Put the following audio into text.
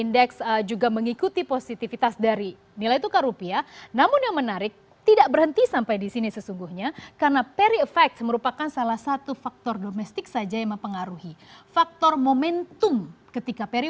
tentu ini akan membuat the fade fund rate akan naik